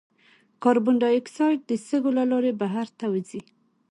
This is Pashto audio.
کاربن ډای اکساید د سږو له لارې بهر ته وځي.